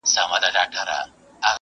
زرکۍ